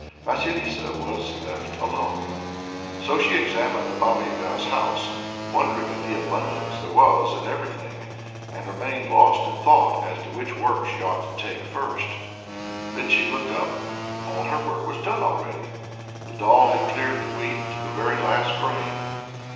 Vasilissa was left alone, so she examined the Baba Yaga's house, wondered at the abundance there was in everything, and remained lost in thought as to which work she ought to take to first. She looked up; all her work was done already. The doll had cleared the wheat to the very last grain.